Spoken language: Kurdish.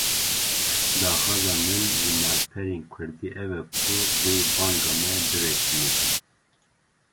Daxwaza min ji malperên Kurdî ew e ku vê banga me biweşînin